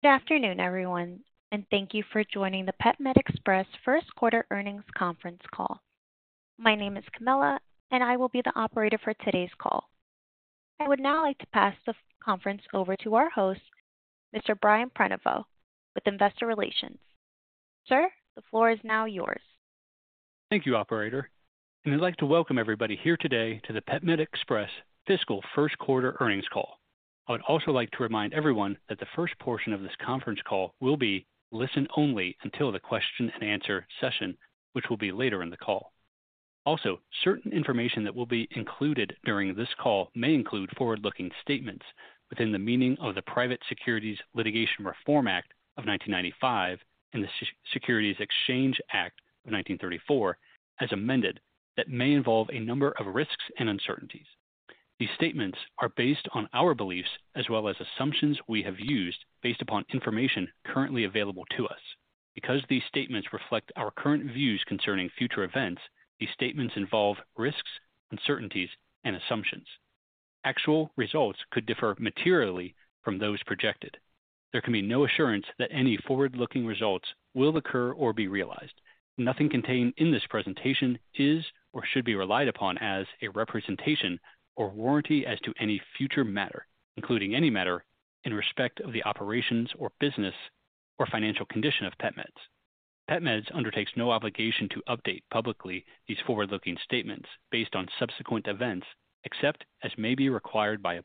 Good afternoon, everyone, and thank you for joining the PetMed Express first quarter earnings conference call. My name is Camilla, and I will be the operator for today's call. I would now like to pass the conference over to our host, Mr. Brian Prenoveau, with Investor Relations. Sir, the floor is now yours. Thank you, operator, I'd like to welcome everybody here today to the PetMed Express fiscal first quarter earnings call. I would also like to remind everyone that the first portion of this conference call will be listen only until the question and answer session, which will be later in the call. Certain information that will be included during this call may include forward-looking statements within the meaning of the Private Securities Litigation Reform Act of 1995 and the Securities Exchange Act of 1934, as amended, that may involve a number of risks and uncertainties. These statements are based on our beliefs as well as assumptions we have used based upon information currently available to us. Because these statements reflect our current views concerning future events, these statements involve risks, uncertainties, and assumptions. Actual results could differ materially from those projected. There can be no assurance that any forward-looking results will occur or be realized. Nothing contained in this presentation is or should be relied upon as a representation or warranty as to any future matter, including any matter in respect of the operations or business or financial condition of PetMeds. PetMeds undertakes no obligation to update publicly these forward-looking statements based on subsequent events, except as may be required by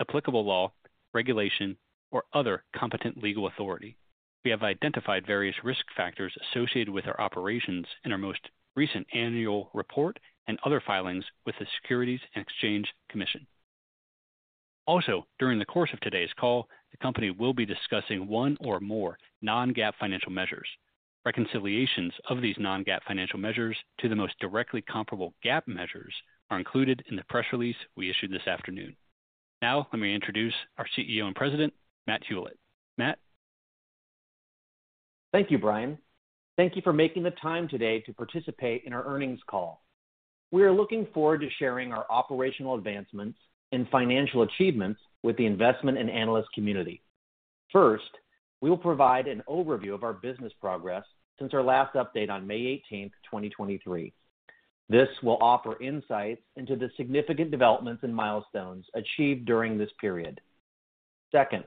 applicable law, regulation, or other competent legal authority. We have identified various risk factors associated with our operations in our most recent annual report and other filings with the Securities and Exchange Commission. Also, during the course of today's call, the company will be discussing one or more non-GAAP financial measures. Reconciliations of these non-GAAP financial measures to the most directly comparable GAAP measures are included in the press release we issued this afternoon. Let me introduce our CEO and President, Matt Hulett. Matt? Thank you, Brian. Thank you for making the time today to participate in our earnings call. We are looking forward to sharing our operational advancements and financial achievements with the investment and analyst community. First, we will provide an overview of our business progress since our last update on May 18, 2023. This will offer insights into the significant developments and milestones achieved during this period. Second,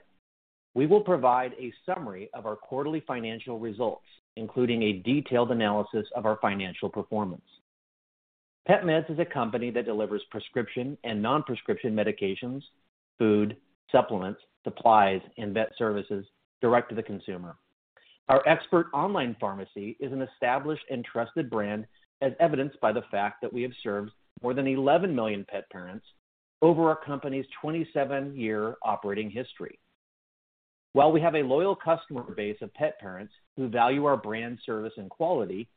we will provide a summary of our quarterly financial results, including a detailed analysis of our financial performance. PetMeds is a company that delivers prescription and non-prescription medications, food, supplements, supplies, and vet services direct to the consumer. Our expert online pharmacy is an established and trusted brand, as evidenced by the fact that we have served more than 11 million pet parents over our company's 27-year operating history. While we have a loyal customer base of pet parents who value our brand, service, and quality,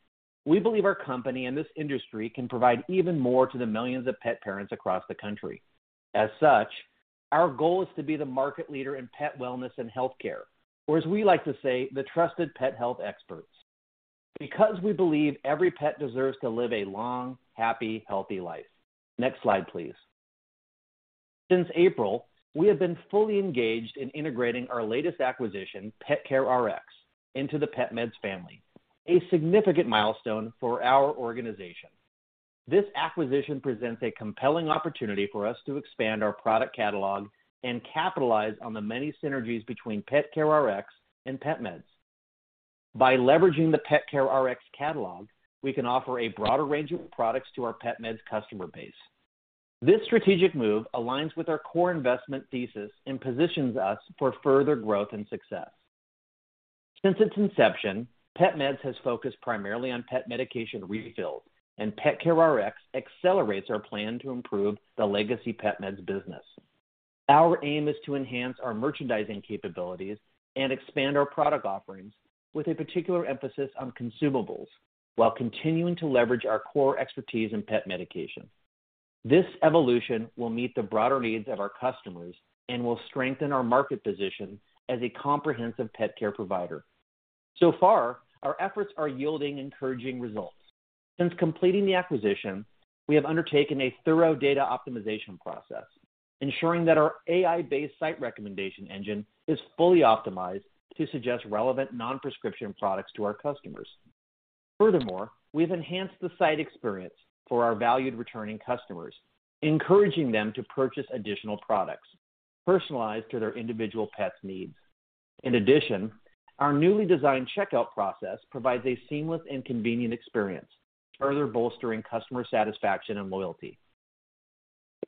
we believe our company and this industry can provide even more to the millions of pet parents across the country. As such, our goal is to be the market leader in pet wellness and healthcare, or, as we like to say, the trusted pet health experts, because we believe every pet deserves to live a long, happy, healthy life. Next slide, please. Since April, we have been fully engaged in integrating our latest acquisition, PetCareRx, into the PetMeds family, a significant milestone for our organization. This acquisition presents a compelling opportunity for us to expand our product catalog and capitalize on the many synergies between PetCareRx and PetMeds. By leveraging the PetCareRx catalog, we can offer a broader range of products to our PetMeds customer base. This strategic move aligns with our core investment thesis and positions us for further growth and success. Since its inception, PetMeds has focused primarily on pet medication refills, and PetCareRx accelerates our plan to improve the legacy PetMeds business. Our aim is to enhance our merchandising capabilities and expand our product offerings with a particular emphasis on consumables, while continuing to leverage our core expertise in pet medication. This evolution will meet the broader needs of our customers and will strengthen our market position as a comprehensive pet care provider. So far, our efforts are yielding encouraging results. Since completing the acquisition, we have undertaken a thorough data optimization process, ensuring that our AI-based site recommendation engine is fully optimized to suggest relevant non-prescription products to our customers. Furthermore, we've enhanced the site experience for our valued returning customers, encouraging them to purchase additional products personalized to their individual pet's needs. In addition, our newly designed checkout process provides a seamless and convenient experience, further bolstering customer satisfaction and loyalty.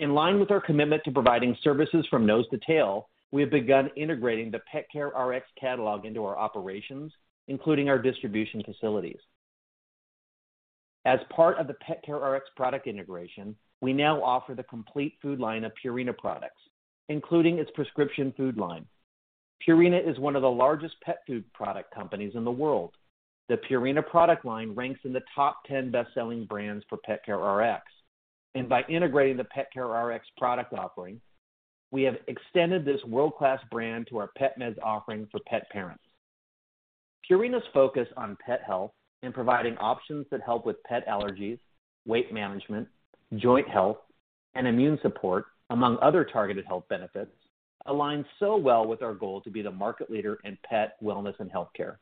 In line with our commitment to providing services from nose to tail, we have begun integrating the PetCareRx catalog into our operations, including our distribution facilities. As part of the PetCareRx product integration, we now offer the complete food line of Purina products, including its prescription food line. Purina is one of the largest pet food product companies in the world. The Purina product line ranks in the top ten best-selling brands for PetCareRx, and by integrating the PetCareRx product offering, we have extended this world-class brand to our PetMeds offering for pet parents... Purina's focus on pet health and providing options that help with pet allergies, weight management, joint health, and immune support, among other targeted health benefits, aligns so well with our goal to be the market leader in pet wellness and healthcare.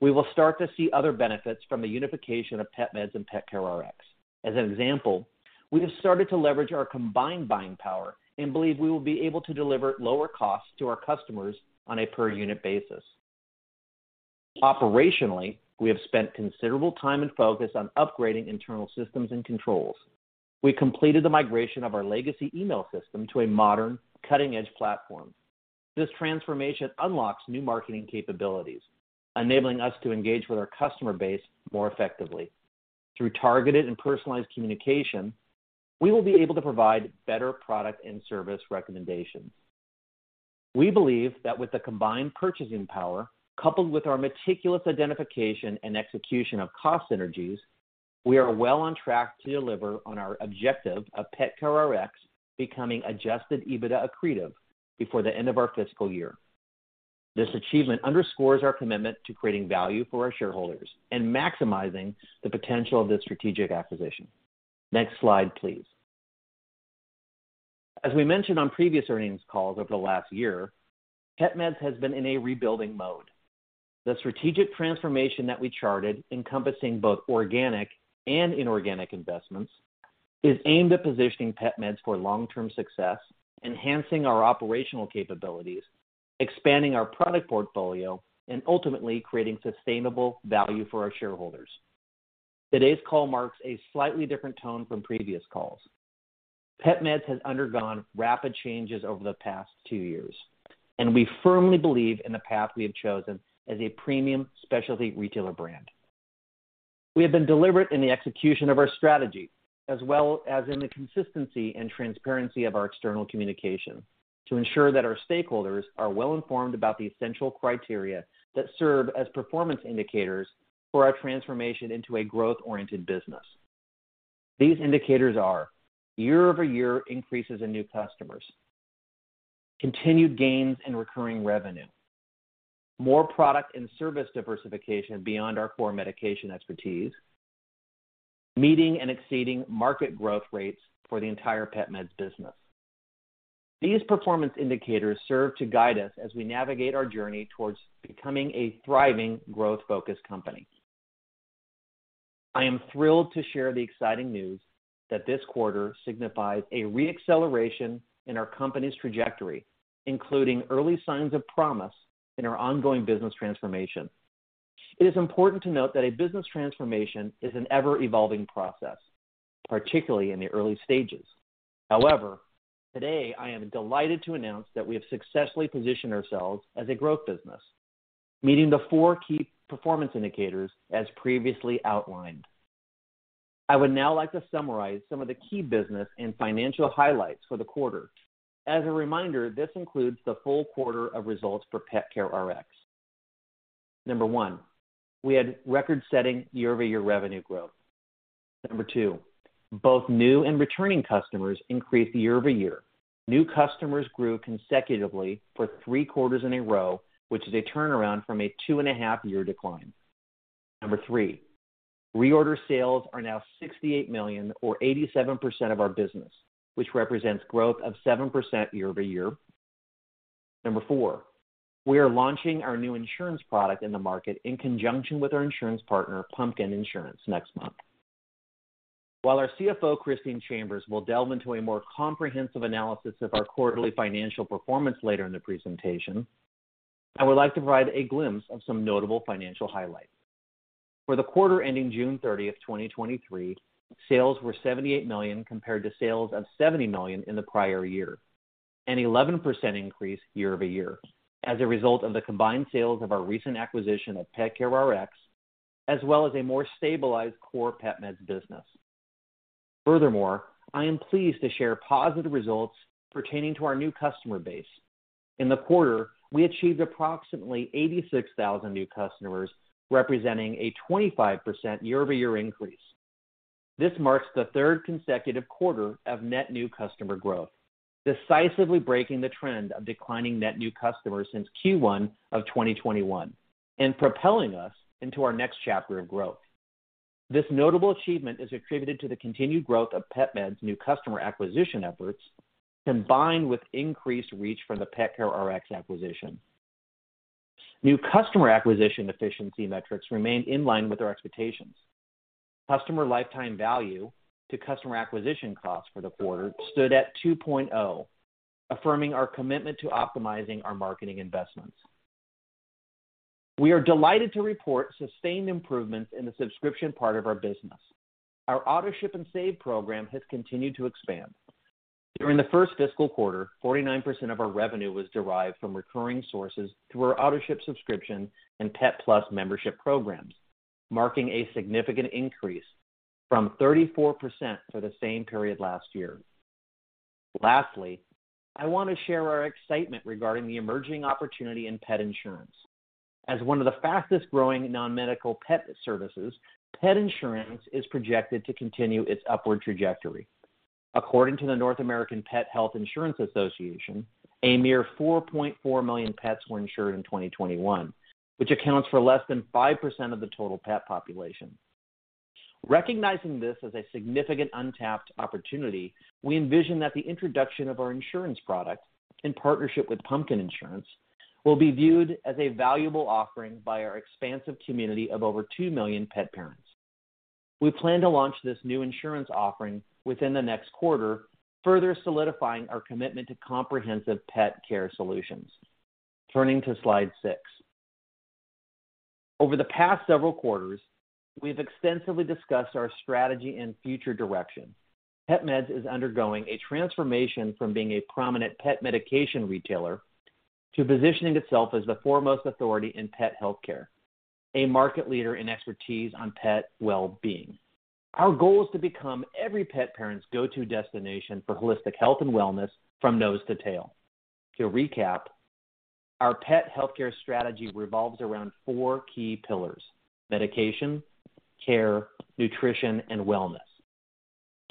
We will start to see other benefits from the unification of PetMeds and PetCareRx. As an example, we have started to leverage our combined buying power and believe we will be able to deliver lower costs to our customers on a per-unit basis. Operationally, we have spent considerable time and focus on upgrading internal systems and controls. We completed the migration of our legacy email system to a modern, cutting-edge platform. This transformation unlocks new marketing capabilities, enabling us to engage with our customer base more effectively. Through targeted and personalized communication, we will be able to provide better product and service recommendations. We believe that with the combined purchasing power, coupled with our meticulous identification and execution of cost synergies, we are well on track to deliver on our objective of PetCareRx becoming Adjusted EBITDA accretive before the end of our fiscal year. This achievement underscores our commitment to creating value for our shareholders and maximizing the potential of this strategic acquisition. Next slide, please. As we mentioned on previous earnings calls over the last year, PetMeds has been in a rebuilding mode. The strategic transformation that we charted, encompassing both organic and inorganic investments, is aimed at positioning PetMeds for long-term success, enhancing our operational capabilities, expanding our product portfolio, and ultimately creating sustainable value for our shareholders. Today's call marks a slightly different tone from previous calls. PetMeds has undergone rapid changes over the past two years. We firmly believe in the path we have chosen as a premium specialty retailer brand. We have been deliberate in the execution of our strategy, as well as in the consistency and transparency of our external communication, to ensure that our stakeholders are well-informed about the essential criteria that serve as performance indicators for our transformation into a growth-oriented business. These indicators are year-over-year increases in new customers, continued gains in recurring revenue, more product and service diversification beyond our core medication expertise, meeting and exceeding market growth rates for the entire PetMeds business. These performance indicators serve to guide us as we navigate our journey towards becoming a thriving, growth-focused company. I am thrilled to share the exciting news that this quarter signifies a re-acceleration in our company's trajectory, including early signs of promise in our ongoing business transformation. It is important to note that a business transformation is an ever-evolving process, particularly in the early stages. Today I am delighted to announce that we have successfully positioned ourselves as a growth business, meeting the 4 key performance indicators as previously outlined. I would now like to summarize some of the key business and financial highlights for the quarter. As a reminder, this includes the full quarter of results for PetCareRx. Number 1, we had record-setting year-over-year revenue growth. Number 2, both new and returning customers increased year-over-year. New customers grew consecutively for three quarters in a row, which is a turnaround from a 2.5-year decline. Number 3, reorder sales are now $68 million, or 87% of our business, which represents growth of 7% year-over-year. Number 4, we are launching our new insurance product in the market in conjunction with our insurance partner, Pumpkin Insurance, next month. While our CFO, Christine Chambers, will delve into a more comprehensive analysis of our quarterly financial performance later in the presentation, I would like to provide a glimpse of some notable financial highlights. For the quarter ending June 30th, 2023, sales were $78 million, compared to sales of $70 million in the prior year, an 11% increase year-over-year, as a result of the combined sales of our recent acquisition of PetCareRx, as well as a more stabilized core PetMeds business. Furthermore, I am pleased to share positive results pertaining to our new customer base. In the quarter, we achieved approximately 86,000 new customers, representing a 25% year-over-year increase. This marks the third consecutive quarter of net new customer growth, decisively breaking the trend of declining net new customers since Q1 of 2021 and propelling us into our next chapter of growth. This notable achievement is attributed to the continued growth of PetMeds' new customer acquisition efforts, combined with increased reach from the PetCareRx acquisition. New customer acquisition efficiency metrics remained in line with our expectations. Customer lifetime value to customer acquisition cost for the quarter stood at 2.0, affirming our commitment to optimizing our marketing investments. We are delighted to report sustained improvements in the subscription part of our business. Our AutoShip & Save program has continued to expand. During the first fiscal quarter, 49% of our revenue was derived from recurring sources through our AutoShip subscription and PetPlus membership programs, marking a significant increase from 34% for the same period last year. Lastly, I want to share our excitement regarding the emerging opportunity in pet insurance. As one of the fastest-growing non-medical pet services, pet insurance is projected to continue its upward trajectory. According to the North American Pet Health Insurance Association, a mere 4.4 million pets were insured in 2021, which accounts for less than 5% of the total pet population. Recognizing this as a significant untapped opportunity, we envision that the introduction of our insurance product, in partnership with Pumpkin Insurance, will be viewed as a valuable offering by our expansive community of over 2 million pet parents. We plan to launch this new insurance offering within the next quarter, further solidifying our commitment to comprehensive pet care solutions. Turning to Slide 6. Over the past several quarters, we've extensively discussed our strategy and future direction. PetMeds is undergoing a transformation from being a prominent pet medication retailer to positioning itself as the foremost authority in pet healthcare, a market leader in expertise on pet well-being. Our goal is to become every pet parent's go-to destination for holistic health and wellness from nose to tail. To recap, our pet healthcare strategy revolves around 4 key pillars: medication, care, nutrition, and wellness.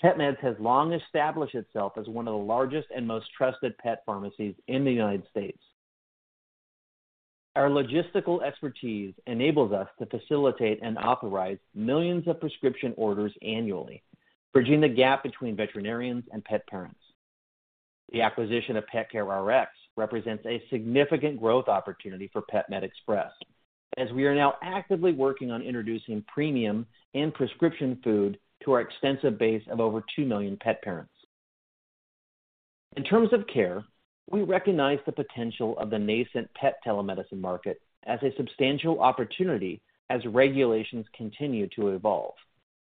PetMeds has long established itself as one of the largest and most trusted pet pharmacies in the United States. Our logistical expertise enables us to facilitate and authorize millions of prescription orders annually, bridging the gap between veterinarians and pet parents. The acquisition of PetCareRx represents a significant growth opportunity for PetMed Express, as we are now actively working on introducing premium and prescription food to our extensive base of over 2 million pet parents. In terms of care, we recognize the potential of the nascent pet telemedicine market as a substantial opportunity as regulations continue to evolve.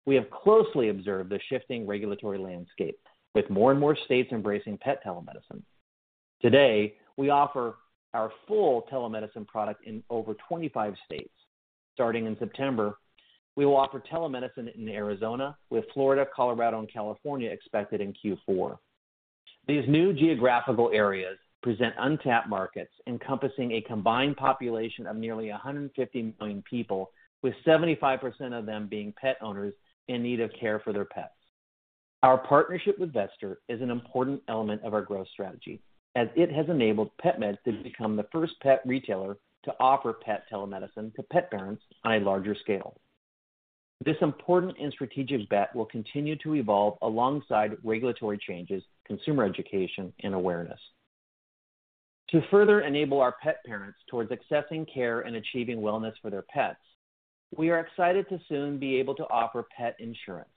We have closely observed the shifting regulatory landscape, with more and more states embracing pet telemedicine. Today, we offer our full telemedicine product in over 25 states. Starting in September, we will offer telemedicine in Arizona, with Florida, Colorado, and California expected in Q4. These new geographical areas present untapped markets encompassing a combined population of nearly 150 million people, with 75% of them being pet owners in need of care for their pets. Our partnership with Vetster is an important element of our growth strategy, as it has enabled PetMeds to become the first pet retailer to offer pet telemedicine to pet parents on a larger scale. This important and strategic bet will continue to evolve alongside regulatory changes, consumer education, and awareness. To further enable our pet parents towards accessing care and achieving wellness for their pets, we are excited to soon be able to offer pet insurance.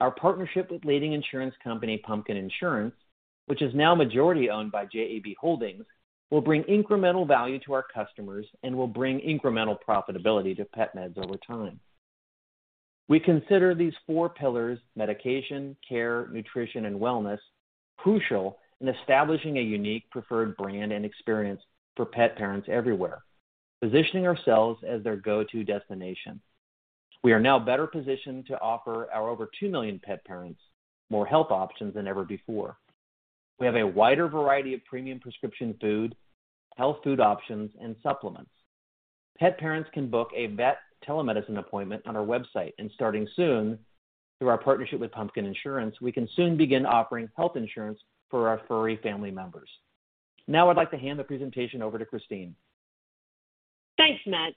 Our partnership with leading insurance company, Pumpkin Insurance, which is now majority-owned by JAB Holdings, will bring incremental value to our customers and will bring incremental profitability to PetMeds over time. We consider these four pillars, medication, care, nutrition, and wellness, crucial in establishing a unique preferred brand and experience for pet parents everywhere, positioning ourselves as their go-to destination. We are now better positioned to offer our over 2 million pet parents more health options than ever before. We have a wider variety of premium prescription food, health food options, and supplements. Pet parents can book a vet telemedicine appointment on our website. Starting soon, through our partnership with Pumpkin Insurance, we can soon begin offering health insurance for our furry family members. Now I'd like to hand the presentation over to Christine. Thanks, Matt.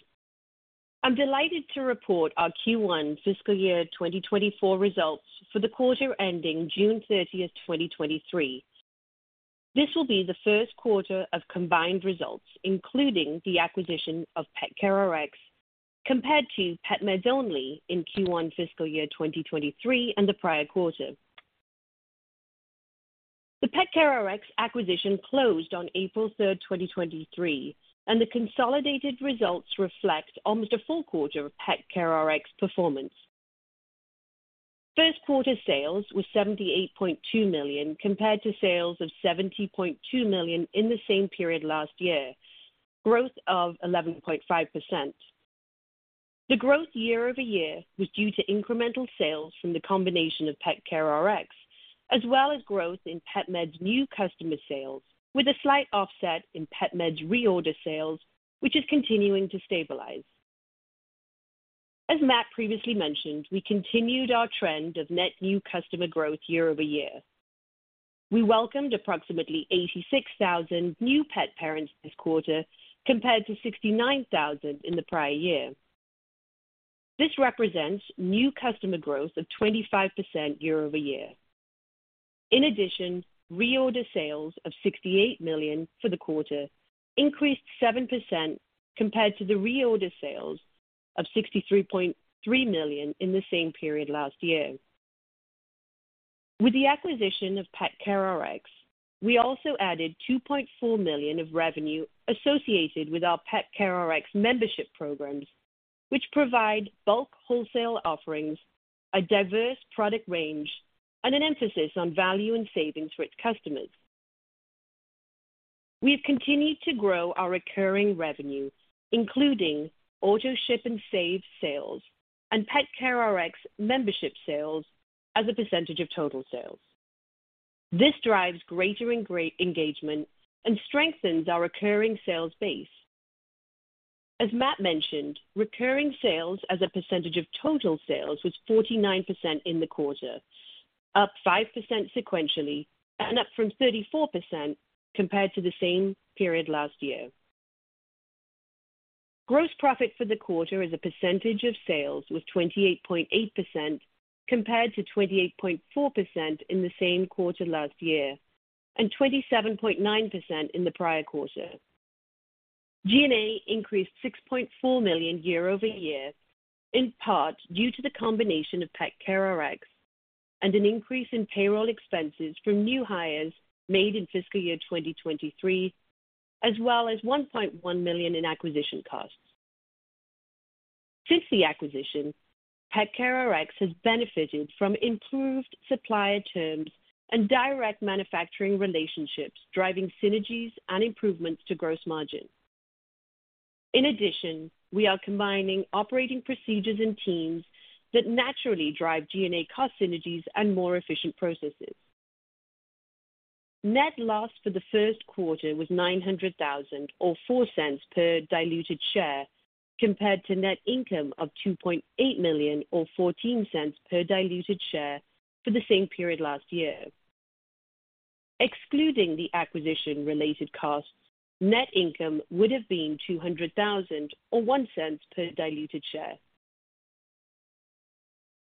I'm delighted to report our Q1 fiscal year 2024 results for the quarter ending June 30, 2023. This will be the first quarter of combined results, including the acquisition of PetCareRx, compared to PetMeds only in Q1 fiscal year 2023 and the prior quarter. PetCareRx acquisition closed on April 3, 2023, and the consolidated results reflect almost a full quarter of PetCareRx's performance. First quarter sales were $78.2 million, compared to sales of $70.2 million in the same period last year, growth of 11.5%. Growth year-over-year was due to incremental sales from the combination of PetCareRx, as well as growth in PetMed's new customer sales, with a slight offset in PetMed's reorder sales, which is continuing to stabilize. As Matt previously mentioned, we continued our trend of net new customer growth year-over-year. We welcomed approximately 86,000 new pet parents this quarter, compared to 69,000 in the prior year. This represents new customer growth of 25% year-over-year. In addition, reorder sales of $68 million for the quarter increased 7% compared to the reorder sales of $63.3 million in the same period last year. With the acquisition of PetCareRx, we also added $2.4 million of revenue associated with our PetCareRx membership programs, which provide bulk wholesale offerings, a diverse product range, and an emphasis on value and savings for its customers. We have continued to grow our recurring revenue, including AutoShip & Save sales and PetCareRx membership sales as a percentage of total sales. This drives greater engagement and strengthens our recurring sales base. As Matt mentioned, recurring sales as a percentage of total sales was 49% in the quarter, up 5% sequentially and up from 34% compared to the same period last year. Gross profit for the quarter as a percentage of sales was 28.8%, compared to 28.4% in the same quarter last year, and 27.9% in the prior quarter. G&A increased $6.4 million year-over-year, in part due to the combination of PetCareRx and an increase in payroll expenses from new hires made in fiscal year 2023, as well as $1.1 million in acquisition costs. Since the acquisition, PetCareRx has benefited from improved supplier terms and direct manufacturing relationships, driving synergies and improvements to gross margin. In addition, we are combining operating procedures and teams that naturally drive G&A cost synergies and more efficient processes. Net loss for the first quarter was $900,000, or $0.04 per diluted share, compared to net income of $2.8 million or $0.14 per diluted share for the same period last year. Excluding the acquisition-related costs, net income would have been $200,000 or $0.01 per diluted share.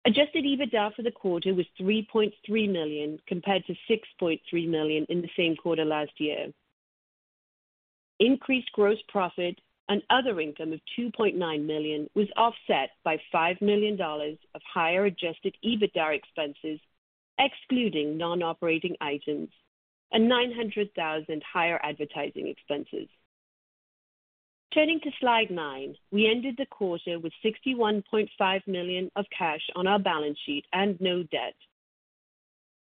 Adjusted EBITDA for the quarter was $3.3 million, compared to $6.3 million in the same quarter last year. Increased gross profit and other income of $2.9 million was offset by $5 million of higher Adjusted EBITDA expenses, excluding non-operating items and $900,000 higher advertising expenses. Turning to Slide 9, we ended the quarter with $61.5 million of cash on our balance sheet and no debt.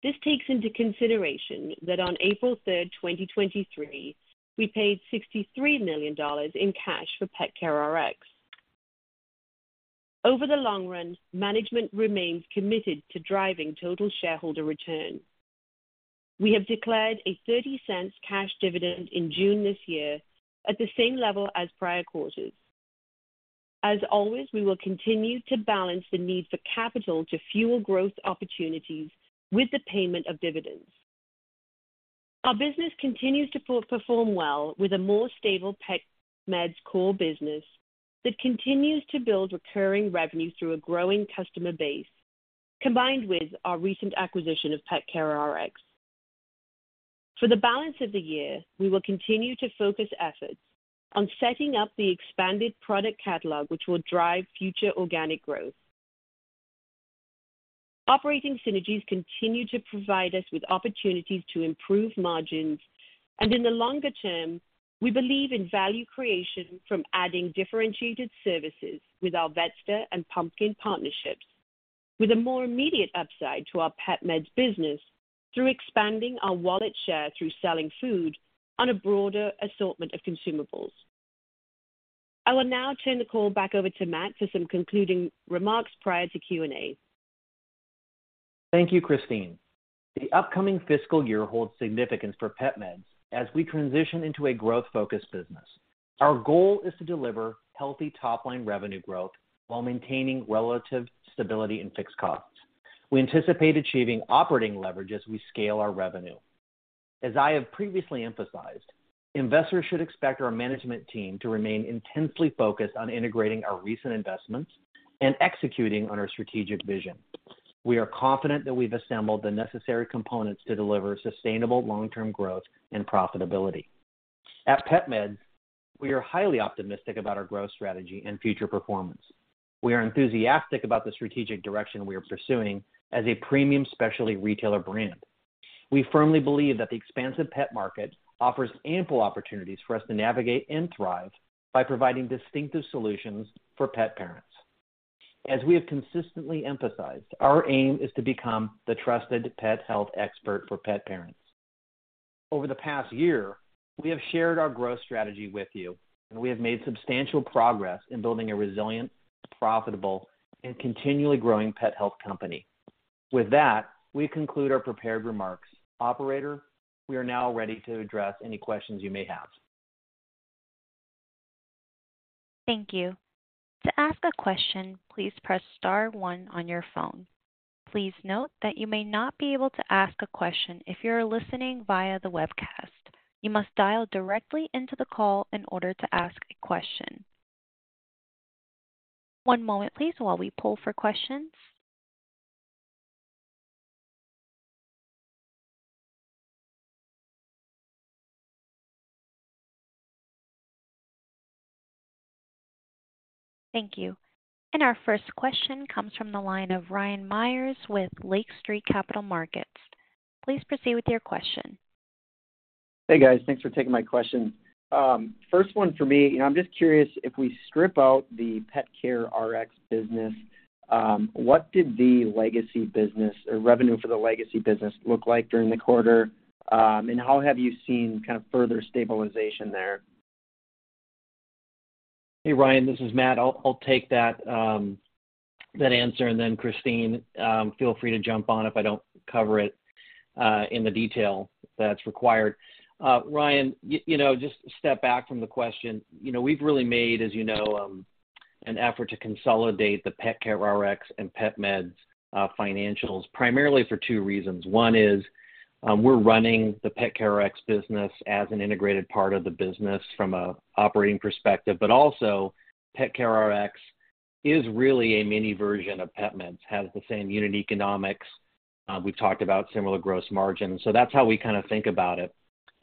This takes into consideration that on April 3rd, 2023, we paid $63 million in cash for PetCareRx. Over the long run, management remains committed to driving total shareholder return. We have declared a $0.30 cash dividend in June this year at the same level as prior quarters. As always, we will continue to balance the need for capital to fuel growth opportunities with the payment of dividends. Our business continues to perform well with a more stable PetMeds core business that continues to build recurring revenue through a growing customer base, combined with our recent acquisition of PetCareRx. For the balance of the year, we will continue to focus efforts on setting up the expanded product catalog, which will drive future organic growth. Operating synergies continue to provide us with opportunities to improve margins, and in the longer term, we believe in value creation from adding differentiated services with our Vetster and Pumpkin partnerships, with a more immediate upside to our PetMeds business through expanding our wallet share through selling food on a broader assortment of consumables. I will now turn the call back over to Matt for some concluding remarks prior to Q&A. Thank you, Christine. The upcoming fiscal year holds significance for PetMeds as we transition into a growth-focused business. Our goal is to deliver healthy top-line revenue growth while maintaining relative stability in fixed costs. We anticipate achieving operating leverage as we scale our revenue. As I have previously emphasized, investors should expect our management team to remain intensely focused on integrating our recent investments and executing on our strategic vision. We are confident that we've assembled the necessary components to deliver sustainable long-term growth and profitability. At PetMeds, we are highly optimistic about our growth strategy and future performance. We are enthusiastic about the strategic direction we are pursuing as a premium specialty retailer brand. We firmly believe that the expansive pet market offers ample opportunities for us to navigate and thrive by providing distinctive solutions for pet parents. As we have consistently emphasized, our aim is to become the trusted pet health expert for pet parents. Over the past year, we have shared our growth strategy with you, and we have made substantial progress in building a resilient, profitable, and continually growing pet health company. With that, we conclude our prepared remarks. Operator, we are now ready to address any questions you may have. Thank you. To ask a question, please press Star one on your phone. Please note that you may not be able to ask a question if you are listening via the webcast. You must dial directly into the call in order to ask a question. One moment please, while we poll for questions. Thank you. Our first question comes from the line of Ryan Meyers with Lake Street Capital Markets. Please proceed with your question. Hey, guys. Thanks for taking my question. First one for me, I'm just curious, if we strip out the PetCareRx business, what did the legacy business or revenue for the legacy business look like during the quarter? How have you seen kind of further stabilization there? Hey, Ryan, this is Matt. I'll, I'll take that that answer, then Christine, feel free to jump on if I don't cover it in the detail that's required. Ryan, you know, just step back from the question. You know, we've really made, as you know, an effort to consolidate the PetCareRx and PetMeds financials, primarily for two reasons. One is, we're running the PetCareRx business as an integrated part of the business from a operating perspective, also PetCareRx is really a mini version of PetMeds, has the same unit economics. We've talked about similar gross margins, so that's how we kinda think about it.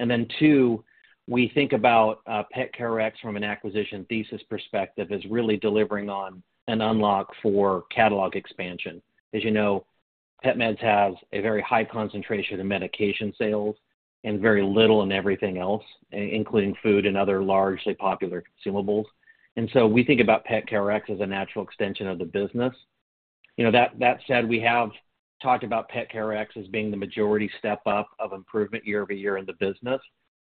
Then two, we think about PetCareRx from an acquisition thesis perspective, as really delivering on an unlock for catalog expansion. As you know, PetMeds has a very high concentration in medication sales and very little in everything else, including food and other largely popular consumables. We think about PetCareRx as a natural extension of the business. You know, that said, we have talked about PetCareRx as being the majority step up of improvement year-over-year in the business.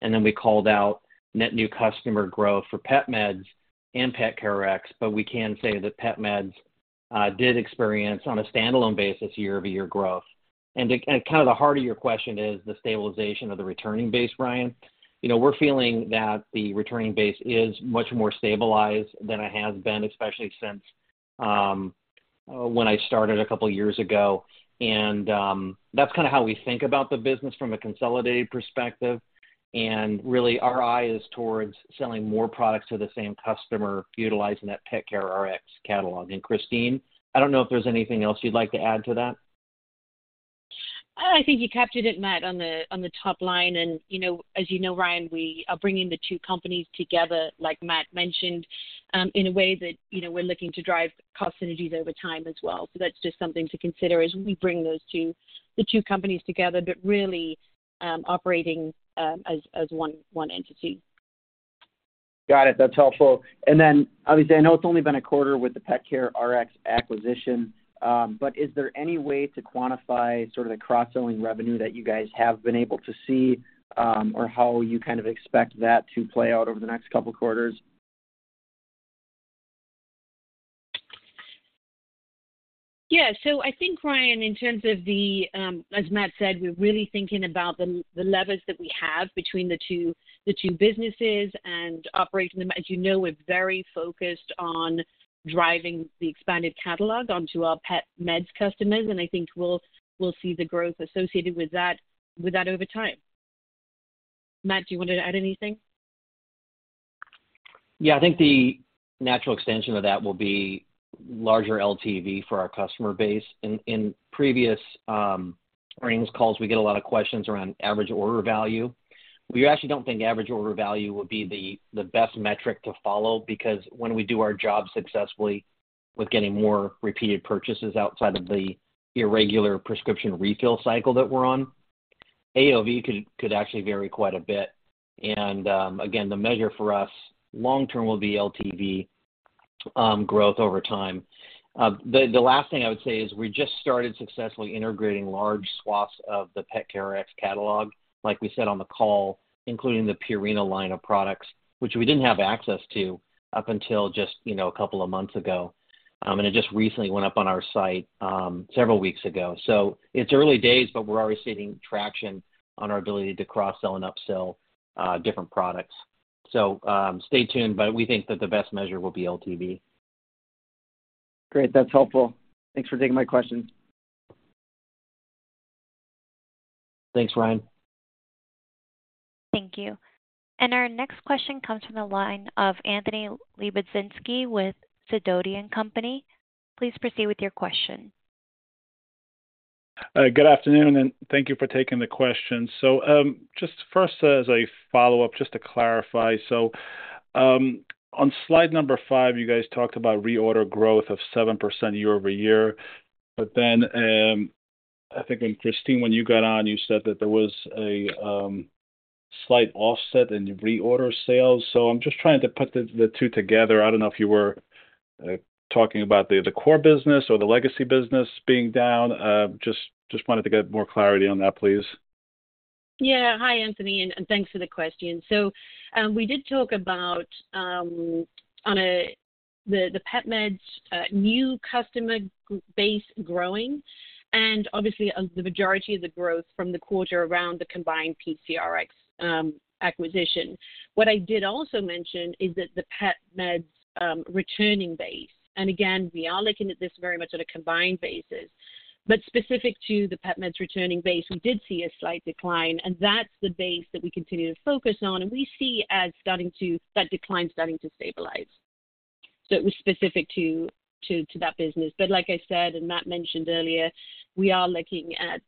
We called out net new customer growth for PetMeds and PetCareRx. We can say that PetMeds did experience, on a standalone basis, year-over-year growth. Kind of the heart of your question is the stabilization of the returning base, Ryan. You know, we're feeling that the returning base is much more stabilized than it has been, especially since when I started a couple of years ago. That's kinda how we think about the business from a consolidated perspective. Really, our eye is towards selling more products to the same customer, utilizing that PetCareRx catalog. Christine, I don't know if there's anything else you'd like to add to that? I think you captured it, Matt, on the, on the top line. You know, as you know, Ryan, we are bringing the two companies together, like Matt mentioned, in a way that, you know, we're looking to drive cost synergies over time as well. That's just something to consider as we bring those two, the two companies together, but really, operating as, as one, one entity. Got it. That's helpful. Obviously, I know it's only been a quarter with the PetCareRx acquisition, but is there any way to quantify sort of the cross-selling revenue that you guys have been able to see, or how you kind of expect that to play out over the next couple quarters? Yeah. I think, Ryan, in terms of the, as Matt said, we're really thinking about the, the levers that we have between the two, the two businesses and operating them. As you know, we're very focused on driving the expanded catalog onto our PetMeds customers, and I think we'll, we'll see the growth associated with that, with that over time. Matt, do you want to add anything? Yeah. I think the natural extension of that will be larger LTV for our customer base. In, in previous earnings calls, we get a lot of questions around average order value. We actually don't think average order value would be the, the best metric to follow, because when we do our job successfully with getting more repeated purchases outside of the irregular prescription refill cycle that we're on, AOV could, could actually vary quite a bit. Again, the measure for us long term will be LTV growth over time. The last thing I would say is we just started successfully integrating large swaths of the PetCareRx catalog, like we said on the call, including the Purina line of products, which we didn't have access to up until just, you know, a couple of months ago. It just recently went up on our site several weeks ago. It's early days, but we're already seeing traction on our ability to cross-sell and upsell different products. Stay tuned, but we think that the best measure will be LTV. Great. That's helpful. Thanks for taking my question. Thanks, Ryan. Thank you. Our next question comes from the line of Anthony Lebiedzinski with Sidoti & Company. Please proceed with your question. Good afternoon, thank you for taking the question. Just first, as a follow-up, just to clarify: on slide 5, you guys talked about reorder growth of 7% year-over-year. I think when Christine, when you got on, you said that there was a slight offset in reorder sales. I'm just trying to put the two together. I don't know if you were talking about the core business or the legacy business being down. Just wanted to get more clarity on that, please. Yeah. Hi, Anthony, and thanks for the question. We did talk about the PetMeds' new customer base growing and obviously the majority of the growth from the quarter around the combined PCRx acquisition. What I did also mention is that the PetMeds' returning base, and again, we are looking at this very much on a combined basis, but specific to the PetMeds returning base, we did see a slight decline, and that's the base that we continue to focus on and we see as that decline starting to stabilize. It was specific to that business. Like I said, and Matt mentioned earlier, we are looking at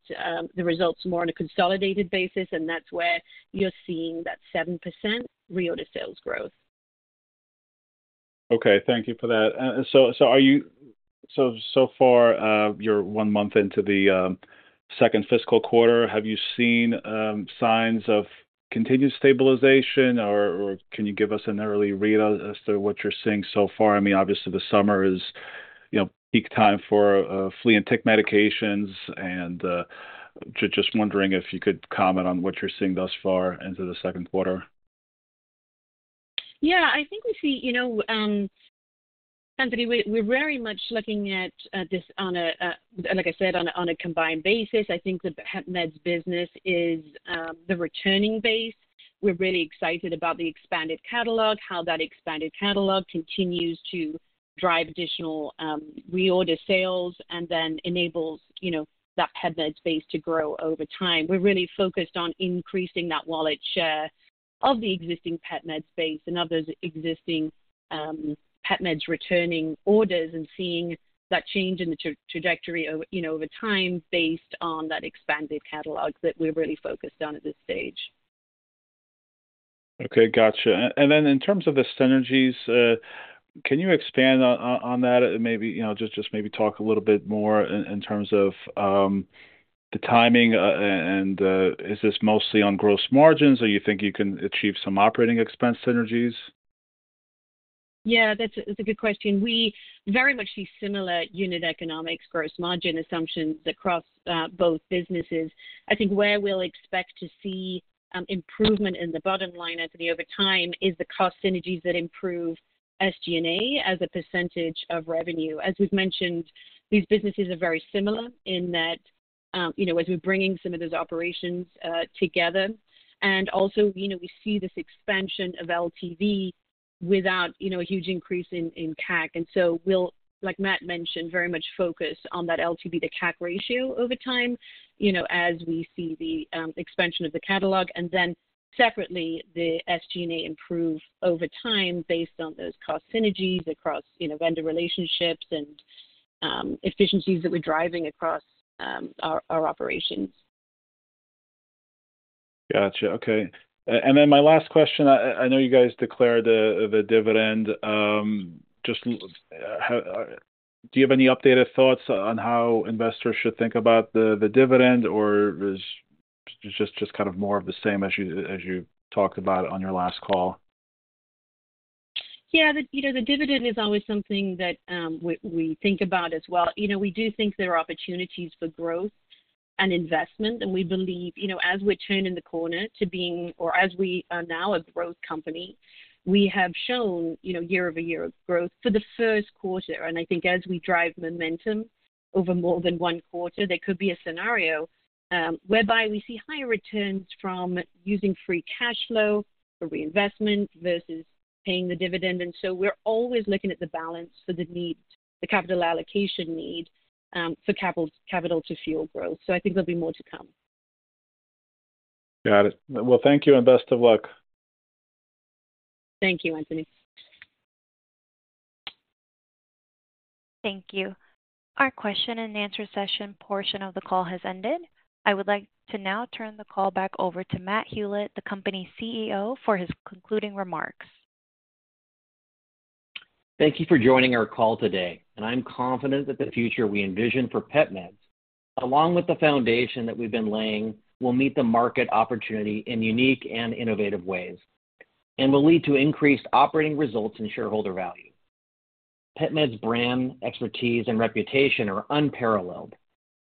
the results more on a consolidated basis, and that's where you're seeing that 7% reorder sales growth. Okay. Thank you for that. So far, you're one month into the second fiscal quarter, have you seen signs of continued stabilization, or, or can you give us an early read as to what you're seeing so far? I mean, obviously, the summer is, you know, peak time for flea and tick medications. Just wondering if you could comment on what you're seeing thus far into the second quarter. Yeah, I think we see, you know, Anthony Lebiedzinski, we, we're very much looking at this on a, a, like I said, on a, on a combined basis. I think the PetMeds business is the returning base. We're really excited about the expanded catalog, how that expanded catalog continues to drive additional reorder sales and then enables, you know, that PetMeds base to grow over time. We're really focused on increasing that wallet share of the existing PetMeds base and of those existing PetMeds returning orders and seeing that change in the tra-trajectory over, you know, over time, based on that expanded catalog that we're really focused on at this stage. Okay, gotcha. Then in terms of the synergies, can you expand on that? Maybe, you know, just maybe talk a little bit more in terms of the timing, and is this mostly on gross margins, or you think you can achieve some operating expense synergies? Yeah, that's a, that's a good question. We very much see similar unit economics, gross margin assumptions across both businesses. I think where we'll expect to see improvement in the bottom line, Anthony, over time, is the cost synergies that improve SG&A as a percentage of revenue. As we've mentioned, these businesses are very similar in that, you know, as we're bringing some of those operations together, and also, you know, we see this expansion of LTV without, you know, a huge increase in, in CAC. So we'll, like Matt mentioned, very much focus on that LTV to CAC ratio over time, you know, as we see the expansion of the catalog. Then separately, the SG&A improve over time based on those cost synergies across, you know, vendor relationships and efficiencies that we're driving across our operations. Gotcha. Okay. My last question. I, I know you guys declared the dividend. Do you have any updated thoughts on how investors should think about the, the dividend, or is it just, just kind of more of the same as you, as you talked about on your last call? Yeah, the, you know, the dividend is always something that, we, we think about as well. You know, we do think there are opportunities for growth and investment, and we believe, you know, as we're turning the corner to being, or as we are now a growth company, we have shown, you know, year-over-year growth for the first quarter. I think as we drive momentum over more than one quarter, there could be a scenario, whereby we see higher returns from using free cash flow for reinvestment versus paying the dividend. We're always looking at the balance for the need, the capital allocation need, for capital, capital to fuel growth. I think there'll be more to come. Got it. Well, thank you, and best of luck. Thank you, Anthony. Thank you. Our question and answer session portion of the call has ended. I would like to now turn the call back over to Matt Hulett, the company's CEO, for his concluding remarks. Thank you for joining our call today. I'm confident that the future we envision for PetMeds, along with the foundation that we've been laying, will meet the market opportunity in unique and innovative ways and will lead to increased operating results and shareholder value. PetMeds' brand, expertise, and reputation are unparalleled.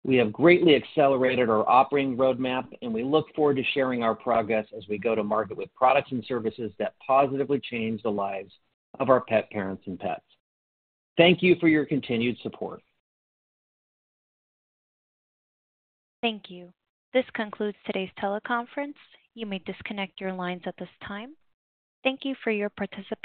We have greatly accelerated our operating roadmap, and we look forward to sharing our progress as we go to market with products and services that positively change the lives of our pet parents and pets. Thank you for your continued support. Thank you. This concludes today's teleconference. You may disconnect your lines at this time. Thank you for your participation.